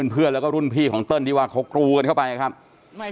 เพื่อนแล้วก็รุ่นพี่ของเติ้ลที่ว่าเขากรูกันเข้าไปครับ